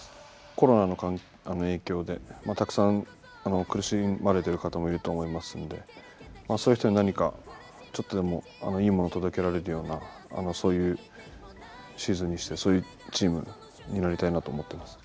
コロナの影響でたくさん苦しまれてる方もいると思いますのでまあそういう人に何かちょっとでもいいものを届けられるようなそういうシーズンにしてそういうチームになりたいなと思ってますね。